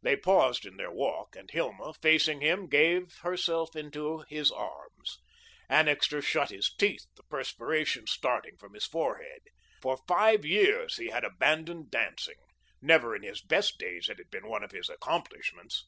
They paused in their walk, and Hilma, facing him, gave herself into his arms. Annixter shut his teeth, the perspiration starting from his forehead. For five years he had abandoned dancing. Never in his best days had it been one of his accomplishments.